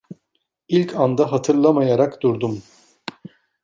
İlk anda hatırlamayarak durdum.